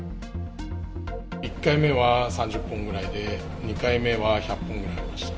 １回目は３０本ぐらいで、２回目は１００本ぐらいありました。